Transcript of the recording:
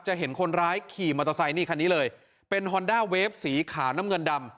เห็นคนร้ายขี่มอเตอร์ไซค์นี่คันนี้เลยเป็นฮอนด้าเวฟสีขาวน้ำเงินดำ